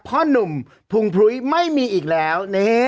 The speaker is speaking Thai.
เพราะหนุ่มพุงพลุยไม่มีอีกแล้ว